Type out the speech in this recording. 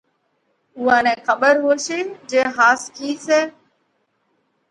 اُوئا نئہ کٻر هوشي جي ۿاس ڪِي سئہ؟